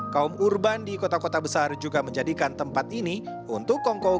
kaum urban di kota kota besar juga menjadikan tempat ini untuk kongkong